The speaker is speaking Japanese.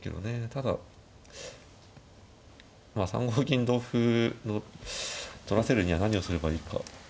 ただまあ３五銀同歩の取らせるには何をすればいいか。